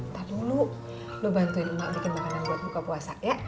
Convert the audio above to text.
ntar dulu lo bantuin mak bikin makanan buat buka puasa ya